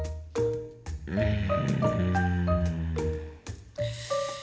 うん。